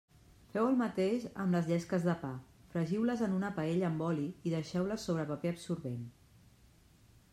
Feu el mateix amb les llesques de pa: fregiu-les en una paella amb oli i deixeu-les sobre paper absorbent.